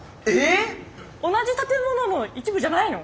同じ建物の一部じゃないの？